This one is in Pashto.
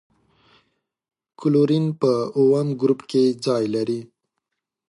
کلورین په اووم ګروپ کې ځای لري.